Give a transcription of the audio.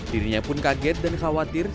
dirinya pun kaget dan khawatir